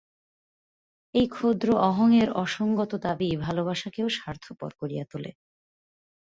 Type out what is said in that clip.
এই ক্ষুদ্র অহং-এর অসঙ্গত দাবী ভালবাসাকেও স্বার্থপর করিয়া তুলে।